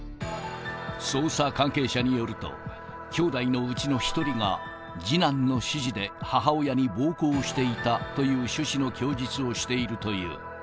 捜査関係者によると、きょうだいのうちの１人が次男の指示で母親に暴行していたという趣旨の供述をしているという。